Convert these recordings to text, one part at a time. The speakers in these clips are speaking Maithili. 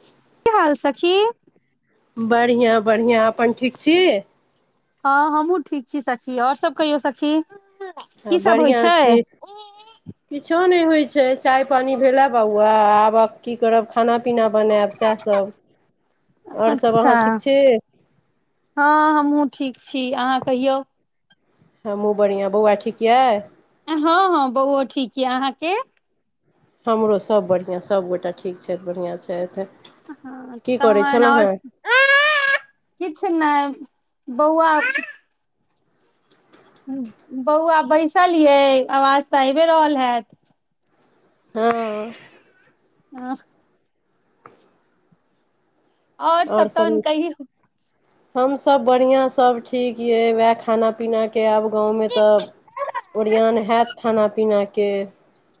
ह की हाल सखी बढ़िआ बढ़िआँ अपन ठीक छी हँ हमहूँ ठीक छी सखी आओर सभ कहियौ सखी ह की सब होइ बढ़आं छै छी किछो नहि होइ छै छै चाय पानी भेलै बौआ आब की की करब खाना पीना बनायब सएहसभ आओरसभ अच्छा अहाँ ठीक छी हँ हमहुूँ ठीक छी अहाँ कहियौ हमहु बढ़ििया बौआ ठीक य हँ हँ बौओ ठीक यऽ अहाँके हमरो सब बढ़िआं सभगोटा ठीक छथि बढ़िआँ छथि हँ की त करै छलहुँ आओर हेँ किछ ने बहुआ बहुआब बैसलियै आवाज तऽ अयबे रहल हैत हँ हँ आओर सब तहन कहीयौ हमसभ बढ़िआँ सभ ठीक यए उएह खाना पीनाके आब गाँवमे तऽ ओरियान हैत खाना पीनाके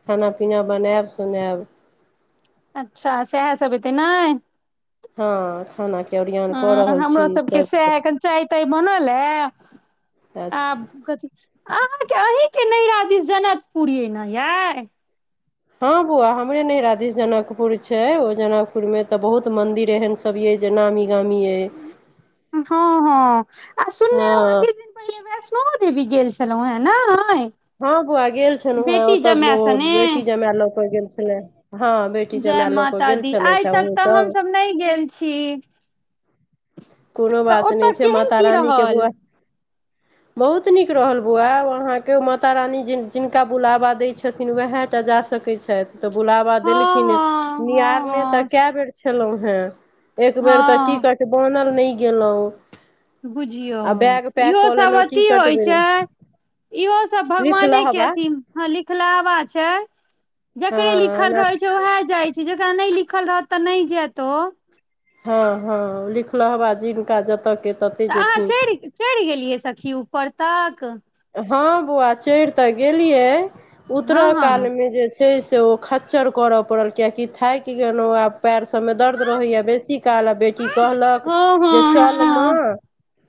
खाना पीना बनायब सुनायब अच्छा सएह सभ होेतै नहि हँ खाना ख ह हमरो सबके सएह कन चाय ताय बन आ अच्छा अही के नहिरा दिस जनक पुरेना यय हँ बौआ हमरे नराधेश जनकपुर छै ओ जनकपुर में ते बहुत मंदिर एहन सब ये जेना नामी गामी अइ हँ हँ आ सुनने हँ अी दिन पहिल वृष्णो देवी गेल छलौ हेँ ने हँ बौआ गेल छलहु हेँ बेटी ओतऽ जमाय ओ सने बेटी जमााय लऽ कऽ गेल छले हँ बेटी जय जमा लऽ के माता गेल दी छलै आइ हे तक ओहो तऽ सब हमसभ नहि गेल छी कोनो तऽ बात नहि ओतऽ छै केहन माता की रानीके रहल बुआ बहुत नीक रहल बौआ अहाँके माता रानी जिनका बुलावा दै छथिन उएह ओतऽ जा सकैत छथि तऽ बुलाबा हँ देलखिन हँ निहारने तऽ हँ हँ क बेर छलहुं हेँ एक बेर तऽ की हँ कह छै बनल नहि गेलहु ओ बुझियौ कऽ इहोसभ लेलहुँ अथी टिकट होइ बनि छै इहो सब लिख भगवाने के लहबा अथि हँ लिखलाहवा छै जकरे हँ लिखल एना रहै छै उएह जाइ छै जेकरा नहि लिखल रहत तऽ नहि जेत ओ हँ हँ लिखलाहबा जिनका जतऽ तऽ अहाँ चि चढ़ि गेलियै सखी ऊपर तक हँ बौआ चढ़ ते गेलिये उतर हँ हँ काल मे जे छै छै से ओ खच्चर करय पड़ल कियकि थाकि गेलहुँ आब पएर सभमे दर्द रहैया बेसी काल आ बेटी कहलक हँ जे हँ चल हँ माँ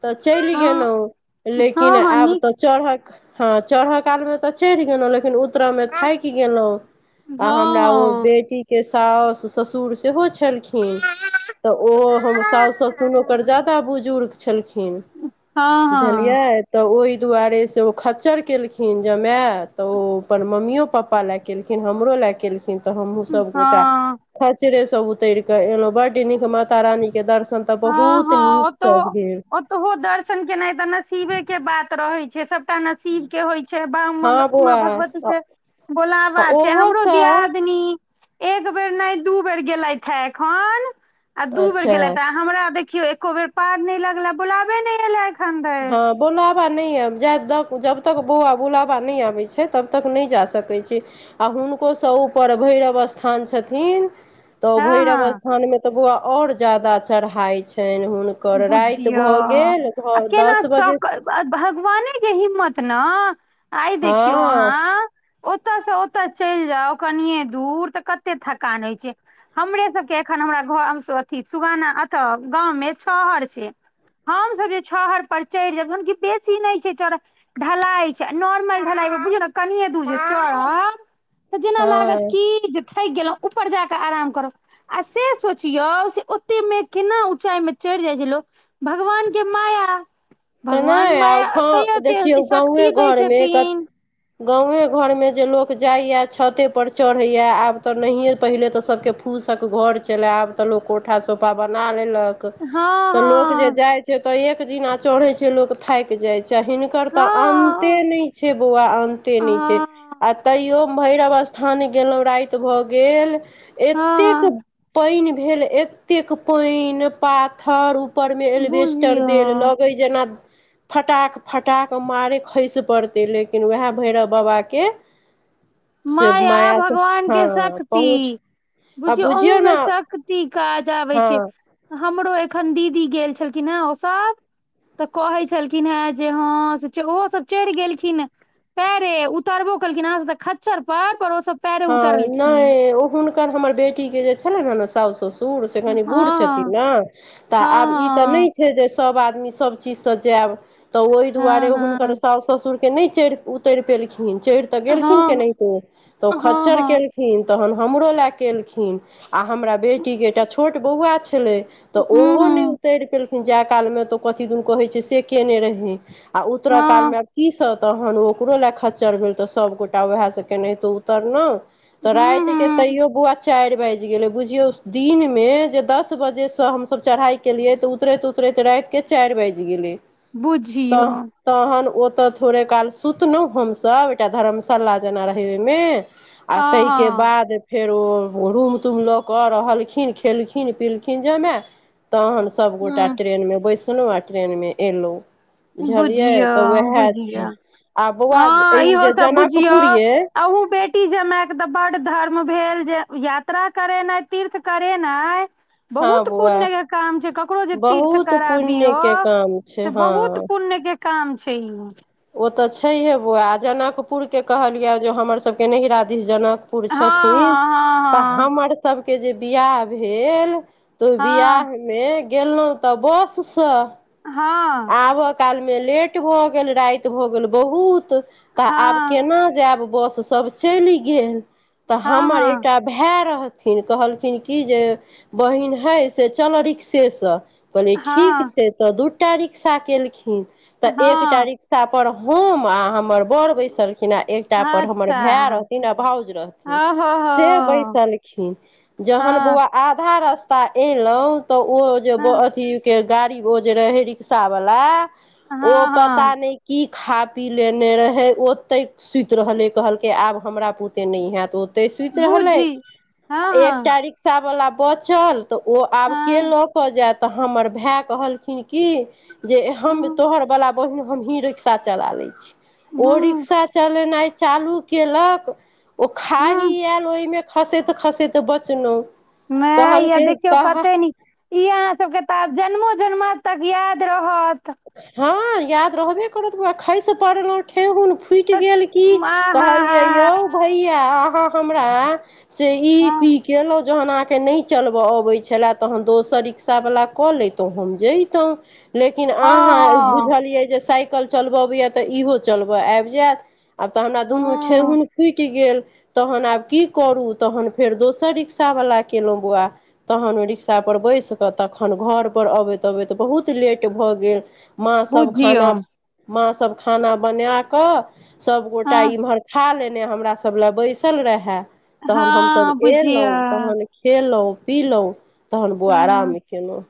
तऽ चलि हँ गेलहुँ लेकिन हँ हँ आब नीक हा हा, हा चढ़ काल मे त चाढ़ि गेलौ लेकिन उत मे थाकि गेलौं आ हँ हमरा ओ हँ बेटी के सास ससुर सेहो छलखिन तऽ ओ हम सासु ससुमे ओकर ज्यादा बुजुर्ग छलखिन हँ बुझलियै तऽ ओहि ताहि दुआरे से ओ खच्जर केलखिन जमाय तऽ ओ अपन मम्मियो पापा लए केलखिन हमरो लए केलखिन तऽ हमहुँ हँ सब गोटा हँ खचरे सँ उतर क एलहुं बड्ड नीक माता रानी के दर्शन तऽ हँ बहुत हँ नीक ओत सब भेल ओतहु दर्शन केनाइ तऽ नसिबे के बात रहे छै जे सबटा नसीब के होय बा हँ बौआ माँ भगवती के बोलाबा छै ओहो हमरो सब दियादिन एक एक बेर नहि दू बेर गेलथि है एखन आ दू बेर गेलथि अच्छा आ हमरा देखियो एको बेर पार न लगले बुलाबे न ऐले हँ बोलाबा बा नहि आबैय छै जब तक बौआ बुलाबा नहि आबै छै तब तक नहि जा सकै छी आ हुनकोसँ ऊपर भैरव स्थान छथिन तऽ हँ हँ भैरव स्थान मे तऽ बौआ और ज्यादा चढ़ाय छै हुनकर राति बुझियौ भऽ गेल आ घर केना दस बजे भगवाने के हिम्मत ने आइ देखियौ हँ अहाँ ओतय से ओतऽ चलि जाउ कनिये दूर तऽ कते थकान होइ छै हमरे सबके एखन हमरा घ अथु सुगाना अतऽ गाँमे शहर छै हमसभ जे छहर पर चढ़ि जायबन बेसी नहि छै ढलाई छै नॉर्मल ढलाइ बुझियौ ने कनिये दूर जे चढ़बै तऽ जेना लागत हँ की जे थकि गेलहु ऊपर जाकऽ आराम करब आ से सोचियौ से ओते मे केना ऊँचाइ मे चढ़ि जाइ छै लोक भगवान के माया तऽ भगवान नहि आ माया हँ देखियौ एते गाँए शक्ति दै घरमे कत छथिन गाँवे घरमे जे लोक जाइए छते पर चढ़ैए आब तऽ नहियए पहिनेे तऽ सभ केँ फूसक घर चले आब तऽ लोक कोठा सोफा बना ले हँ तऽ लोक जे हँ जाय छै तऽ एक दिना चढ़े छै लोक थाकि जाय छै हिनकर तऽ अन्ते हँ नहि छै बौआ अन्ते नहि छै हँ आ तैयो भैरव स्थान गेलहु राति भऽ गेल एतेक हँ पइन भेल एतेक पाइन पाथर ऊपर मे एलबेस्टर बुझियौ देलक म [inaudible] फटाक फटाकऽ मारय खसि पड़तै लेकिन उएह भैरव बाबाके [inaudible] माँ या भगवान के पहुँच शक्ति आ बुझियौ अहुमे ने शक्ति काज आबै हँ छै हमरो एखन दीदी गेल छलखिन हँ ओ सब तऽ कहै छलखिन हेँ जे हँ से ओहोसभ चढ़ि गेलखिन पैरे उतरबो कलखिन अहाँ सभ तऽ खच्चर पर सब पैरे हँ उतरलखिन नहि ओ हुनकर हमर बेटी के जे छलनि ने ने साउस ससु दूर से कनि बूढ़ छथिन हँ न तऽ हँ आब ई तऽ नहि छै जे सब आदमी सब चीज से जायब तऽ ओहि दुआरे हँ हँ हुनक हँ सास ससुर के नहि चढ़ उतरि पेलखिन चढ़ तऽ गेलखिन हँ केनाहितो तऽ ओ हँ हूँ खच्चर केलखिन तहन हमरो लयके एलखिन आ हमरा बेटी के एकटा छोट बौआ छै छलै तऽ ओहो नहि हूँ उतरि पेलखिन जाय कालमे तऽ कथी दन कहै छै से केयने रहय आ उतरय काल हँ मे आब की सब तहन ओकरो ले खच्चर भेल तऽ सभ गोटा वएह से केनाहितो उतरलौं तऽ हूँ राति के हूँ तैयो बुआ चारि बाजि गेलै बुझियौ दिन मे जे दस बजे से हमस चढ़ाई केलियै तऽ उतरैत उतरै त राति के चारि बाजि गेलय बुझियौ तऽ तहन ओ तऽ थोड़े काल सुतलहु हमसभ एकटा धर्मशाला जेना रहय ओहिमे आ हँ ताहिके हँ बाद फेर रूम तूम लऽ कऽ रहलखिन खेलखिन पिलखिन जमाय तहन सबगोटा हूँ ट्रेन मे बैसलहु आ ट्रेन मे एलौं बुझियो बुझियो आ बौआ हँ ई इहो जे स बुझियौ जनकपुर ये आ उ बेटी बेटी जमाय के तऽ बड धर्म भेल जे यात्रा करेना तीर्थ करेना हँ बहुत बौआ पुण्य के काम छै ककरो जे तीर्थ बहुत पुण्य कराबियौ के काम छै से हँ बहुत पुण्य के काम छै ई ओतऽ छैहे बौआ जनकपुर के कहलिये जे हमर सबके नहिरा दिश जनकपुर पुर छथिन तऽ हँ हमर सबके जे बियाह भेल तऽ हँ बियाह मे गेलहुं तऽ बससँ हँ काल मे लेट भऽ गेल राति भऽ गेल बहुत तऽ आब हँ केना जैब बस सब चलि गेल तऽ हमर हँ हँ एकटा भाय रहथि थिन कहलखिन की जे बहिन हइ से चल रिक्सेसँ कहलियै ठीक हँ छै तऽ दू ता रिक्शा केलखिन तऽ एक ता हँ रिक् पर होम आ हम हमर वर बैसलखिन आ एकटा हँ पर हमर अच्छा भाय रहथिन आ भाउज ओ रहथिन हो हो से बैसल खिन जहन हँ बौआ आधा रस ता एलौं तऽ ओ जे हँ अथी के गाड़ी ओ जे रहय रिक्शा वला ओ हँ पता हँ नहि की खा पी लेने रहै शव ओतै सुति रहलै कहलकै आब हमरा बुते नहि हैत ओ तै सुति रहले बुझी हँ हँ एकटा रिक्शा वाला बचल तऽ ओ आब केँ हँ लऽ क जाय तऽ हमर भाय कहलखिन की जे हम हँ तोहर वला बहिन हम ही रिक्शा चलाबै छी ओ हूँ रिक्शा चलेनाइ चालू केलक ओ खाही हूँ आयल ओहिमे खसैत खसैत बचलहुँ माँय यै कहलकै देखियौ कह कते न ई अहाँ सबके तऽ आब जन्मो जनमा तक याद रहत हँ याद रहबे करत बउआ खइस पड़लहुँ ठेहुन फुटि सच गेल की आ हा हा कहलियै हा यौ भैया अहाँ हमरा से ई हँ की केलहु जहन अहाँ नै चलब अबै छला तहन दोसर वला कऽ लैतौ हम जैतौ लेकि किन अहाँ हँ बुझलियै जे साइकिल चलब अबैया तऽ इहो चलब आबि जायत आब तऽ हमरा दुनू हँ ठेहुन फुटि गेल तहन आब की करू तहन फेर दोसर रिक्शा बला केलहुँ बौआ तहन ओ रिक्शा पर बैस कऽ तखन घर पर अबैत अबैत बहुत लेट भऽ गेल माँ सभ बुझियौ खाना माँ‌ सभ खाना बनाकऽ सभगोटा हँ इम्हर खा लेने हमरा सभ लए बैसल रहय तहन हमसभ हँ बुझियौ एलहुँ तहन खेलहुँ पिलहुँ तहन बुआ हँ आरामे केलहुँ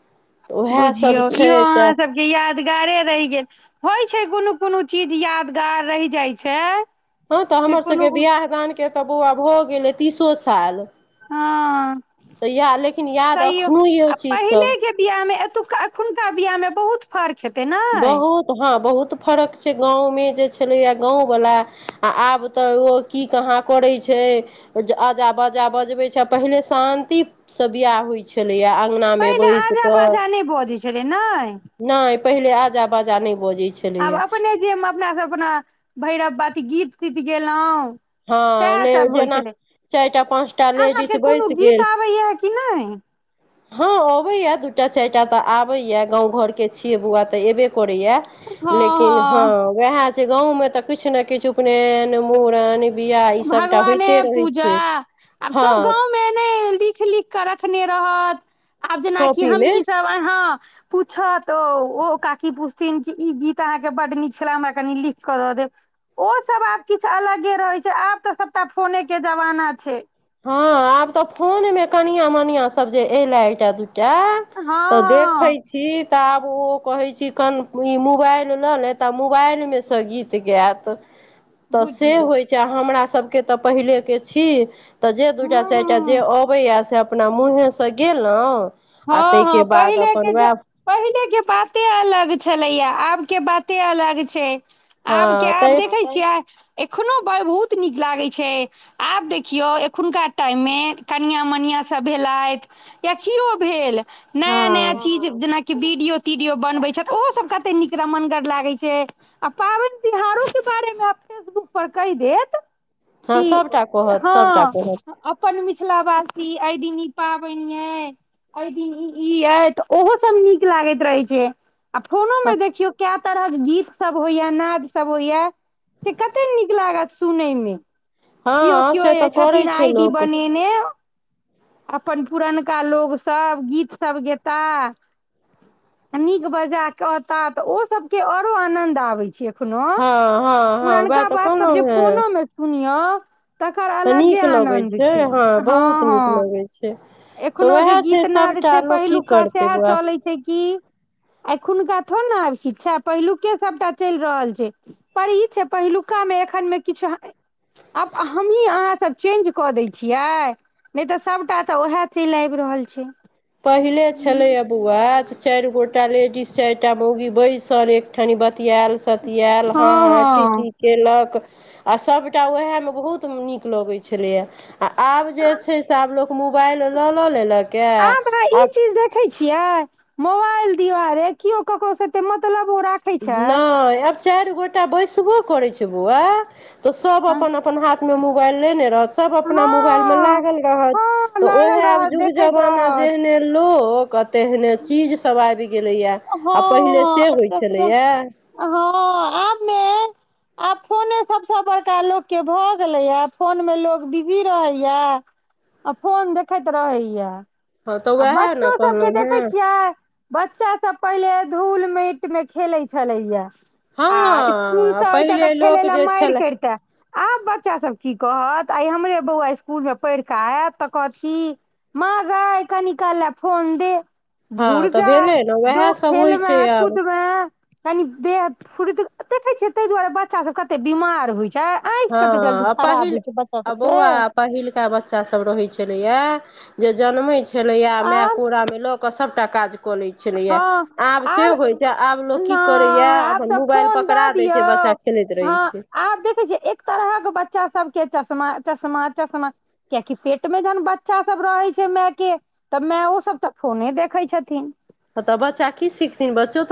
उएह सब बुझियौ छै इहो तऽ अहाँ सबकेँ याद दगारे रहि गेल होइ छै कोनो कोनो चीज यादगार रहि जाइत छै हँ तऽ से कोनो हमरसभकेँ बिआह दानकें तऽ बौआ भऽ गेलै तीसो साल हँ तऽ या लेकिन याद तहियो एखनो यए आ पहिले चीजसभ केँ बियाह मे ए अ हुनका बिया में बहुत फर्क हेतै नै बहुत हँ बहुत बहुत फरक छै गाँंव मे जे छलैया गाँंववला आ आब तऽ ओ की कहाँ करै छै आजा बाजा बजबै छै पहिने शांति स बियाह होइत छलैक अंगनामे बइस क चलेना नहि पहिले आजा बाजा नहि बजै आब छलैए अपने जेमे अपना से अपना भैरव बति गीत तीत गेलहुँ हँ सएह ले सब होइ जेना छलै चारिटा पाँच टा लेडीज अहाँके बैस कोनो गीत गेल आबैया कि नहि हँ अबैए दू टा चारि टा तऽ आबैए गाँव घरकेँ छियै बौआ तऽ एयबे कर करैया लेकिन हँ वएह छ गाँव मे तऽ किछु ने किछु उपनयन मूड़न बियाह ई सबटा भगवाने होइते है रहै पूजा छै आब सब हँ गाँव मे ने लिख लिख केँ रखने रहत आब जेनाकि कॉपी मे हमी सब अहा पूछत ओ ओ काकी पुछथिन कि ई गीत अहाँके बड नीक छला हमरा कनि लिख क दऽ देब ओसभ आब किछु अलगे रहैत छै आब तऽ सभटा फोने के जमाना छै हँ आब तऽ फोनमे कनिआ मनिआ सब जे एलै एहिटा टा हँ तऽ हँ देखै छी तऽ आब ओ कहैत छी कन ई मोबाइल लऽ लेत मोबाइलमे सँ गीत गायत तऽ से बुझियौ होइत छै हमरा सभकेँ तऽ पहिलेके छी तऽ जे दूटा हँ चारि टा जे हँ अबे या से अपना मुहें से गेलउ हँ हँ पहिले केँ जे पहिले कें बाते अलग छलैया आबकेँ बाते अलग छै आबकेँ हँ तै आब देखैत छियै एखनो बहुत नीक लागैत छै आब देखियो एखुनका टाइम मे कनिया मनिया सब भेलथि या कियो भेल हँ नया नया चीज जेना कि वीडियो तीडियो बनबे छै ओहो सब कते नीक रमनगर लागे छै आ पाबनि तिहारो सब बारे मे फेसबुक पर कहिदेत हँ कि सभटा कहत हँ सभटा कहत अपन मिथिलावासी इ अइ दीन इ पाबैनिय एहि दिन ई ई य ओहो सब नीक लागैत रहैत छैक आ फोनो मे देखियौ कै त तरहक गीत सब होइया नाद सब होइया से कते नीक लागत सुनय मे किओ हँ किओ से जे तऽ करै छथिन छै आइ डी लोक बनेने अपन पुरनका लोकसभ गीतसभ गेता नीक बजा कहता त ओ सबकेँ आरो आंनद आबैत छैक एखनो हँ हँ हँ उएह पुरनका तऽ बात सब जे कहलहुँ फोनो मे सुनियो त नीक लगैत छै हँ बहुत नीक लगैत छै तऽ एखनो उएह जे छै गीत नाद सभटा छै लोक की पहिलुका करतै सएह बुआ चलै छै कि एखुनका थोड़ ने आब किछा पहिलुकेँ सबटा चलि रहल छै पर ई छै पहिलुका मे एखन मे किछु आब हमही अहाँसभ चेंज कऽ दैत छियै नहि तऽ सभटा तऽ उएह चलि आबि रहल छै पहिले छलै आ बौआ जे चारि गोटा लेडीज चारि एकटा मौगी बैसल एकठनी बतिआएल बतियेल हँ हँ ठी ठी केलक आ सभटा वएहमे बहुत नीक लगै छलैया आ आब जे छै से आब लोक मोबाइल लऽ लऽ लेलक आ आ आब ई चीज देखे छियै मोबाइल दुआरे केओ केकरो सेे ओते मतलब नहि आब चारि गोटा बैसबो करै छै बौआ तऽ सब अपन अपन हाथमे मोबाइल लेने रहथि सब अपना मोबाइल मे हँ लागल रहत हँ तऽ लागल ओहे आब रहत जूग देखैत जमाना रहत जेहने लोक तेहने चीजसभ आबि गेलैया आ पहिले से हँ होइ हँ छलैए [inaudible] हँ आबमे आब ने आब फोने सभसँ बड़का लोकके भऽ गेलैया फोन मे लोक बिजी रहैया आ फोन देखैत रहैया हँ तऽ आ उएह ने बच्चो सबके कहलहुँ हेँ देखैत छियै बच्चा सब पहिले धूल माटि मे खेले छलेया आ स्कूल हँ से आयते तऽ पहिले खेले लोक ल जे मारि छलए करिते आब बच्चा सब की कहत आइ हमरे बौआ इसकुलमे पैढ़ कऽ आयत तऽ कहत की माँ गए कनि काल ले फोन दे हँ धुर तऽ जा भेलै न जो खेलमे कूदमे कनी देह फुरैत देखे छै ताहि दुआरे बच्चा सब कते बीमार होइ छै आँखि हँ कते जल्दी आ खराब पहिल होइ छै बच्चा आ सबके बौआ पहिलका बच्चासभ रहै छलैए जे जन्मै छलैए माय आब कोरामे लऽ कऽ सभटा काज कऽ लैत छलैया हँ आब से होइ छै आब लोक नहि की करेया आब अपन तऽ मोबाइल फोन दऽ पकड़ा देय दियौ छै बस चा खेलैत रहै हँ छी आब देखै एक तरहक बच्चा सबके चश्मा चश्मा चश्मा कियकि पेट मे जहन बच्चा सब रहे छै मैय के तऽ मै ओ सब तऽ फोने देखै छथिन ह तऽ बच्चा की सिखथिन बच्चो तऽ